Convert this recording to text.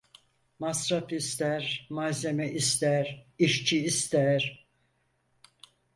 Masraf ister, malzeme ister, işçi ister.